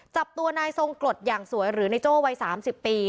จับตัวนายทรงกรดอย่างสวยหรือนายโจ้วัย๓๐ปี